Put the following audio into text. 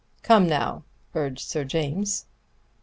"Come now!" urged Sir James.